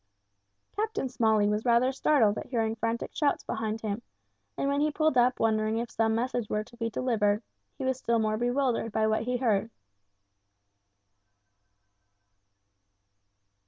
Captain Smalley was rather startled at hearing frantic shouts behind him, and when he pulled up wondering if some message were to be delivered, he was still more bewildered by what he heard.